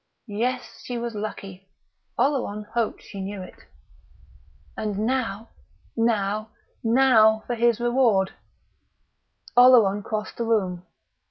Yes, she was lucky; Oleron hoped she knew it.... And now, now, now for his reward! Oleron crossed the room.